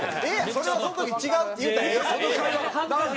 それはその時に「違う」って言ったらええやん。